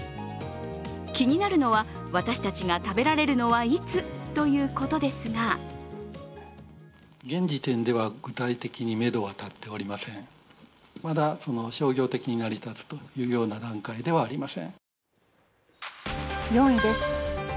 気になるのは、私たちが食べられるのはいつ？ということですが４位です。